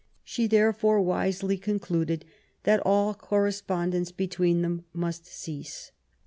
She therefore wisely concluded that all correspondence between them must cease.